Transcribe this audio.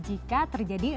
jika terlalu banyak